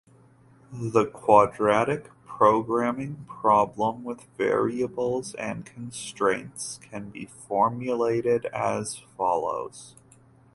The quadratic programming problem with variables and constraints can be formulated as follows.